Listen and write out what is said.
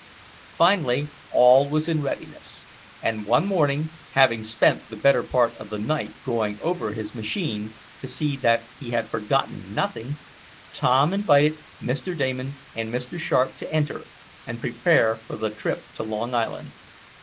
Finally all was in readiness, and one morning, having spent the better part of the night going over his machine, to see that he had forgotten nothing, Tom invited Mr. Damon and Mr. Sharp to enter, and prepare for the trip to Long Island.